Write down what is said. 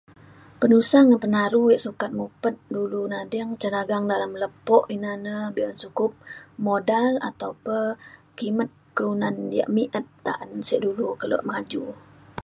penusa ngan penaru yak sukat mopet dulu nading ca dagang dalem lepo ina na be'un sukup modal atau pe kimet kelunan yak mi'et ta'an sek dulu kelo maju